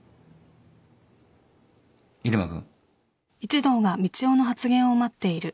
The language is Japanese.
入間君。